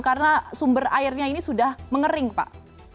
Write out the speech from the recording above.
karena sumber airnya ini sudah mengering pak